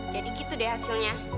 jadi gitu deh hasilnya